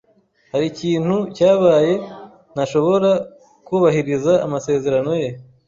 Hari ikintu cyabaye ntashobora kubahiriza amasezerano ye.